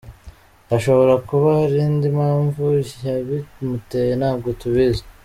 Hashobora kuba hari indi mpamvu yabimuteye ntabwo tubizi.